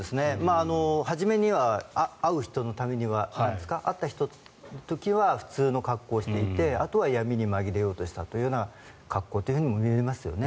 初めには会う人のためには会った人の時は普通の格好をしていてあとは闇に紛れようとした格好というふうにも見えますよね。